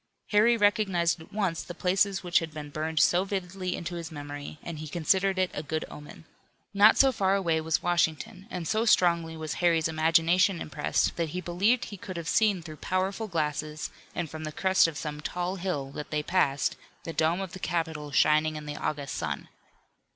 Harry recognized at once the places which had been burned so vividly into his memory, and he considered it a good omen. Not so far away was Washington, and so strongly was Harry's imagination impressed that he believed he could have seen through powerful glasses and from the crest of some tall hill that they passed, the dome of the Capitol shining in the August sun.